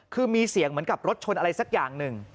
คือมีเสียงเหมือนกับรถชนอะไรสักอย่างหนึ่ง